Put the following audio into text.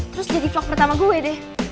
terus jadi vlog pertama gue deh